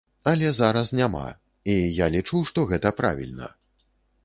Але зараз няма, і я лічу, што гэта правільна.